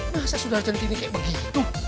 masa sudarcent ini kayak begitu